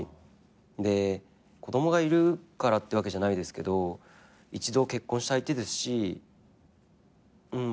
で子供がいるからってわけじゃないですけど一度結婚した相手ですしま